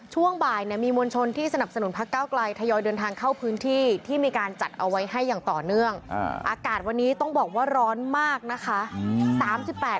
ช่วงบ่ายเนี่ยมีมวลชนที่สนับสนุนพักเก้าไกลทยอยเดินทางเข้าพื้นที่ที่มีการจัดเอาไว้ให้อย่างต่อเนื่องอากาศวันนี้ต้องบอกว่าร้อนมากนะคะ